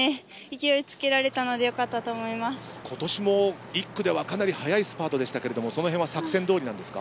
勢いをつけられたので今年も１区ではかなり速いスパートでしたがその線は作戦どおりですか。